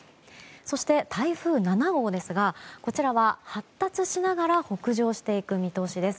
そして、台風７号ですがこちらは発達しながら北上していく見通しです。